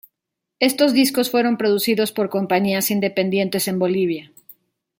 Estos discos fueron producidos por compañías independientes en Bolivia.